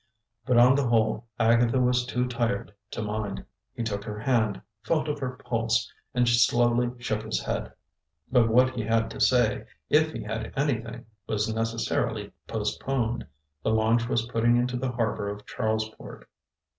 But on the whole, Agatha was too tired to mind. He took her hand, felt of her pulse, and slowly shook his head; but what he had to say, if he had anything, was necessarily postponed. The launch was putting into the harbor of Charlesport.